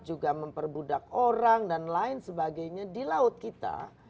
juga memperbudak orang dan lain sebagainya di laut kita